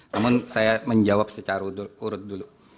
namun saya menjawab secara urut dulu